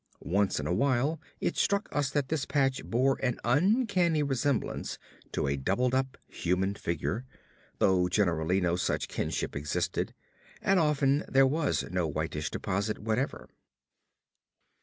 Once in a while it struck us that this patch bore an uncanny resemblance to a doubled up human figure, though generally no such kinship existed, and often there was no whitish deposit whatever.